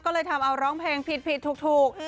ก็เลยทำเอาร้องเพลงผิดถูก